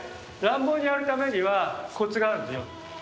乱暴にやるためにはコツがあるんだよ。